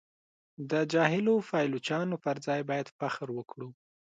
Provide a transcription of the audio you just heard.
د جاهلو پایلوچانو پر ځای باید فخر وکړو.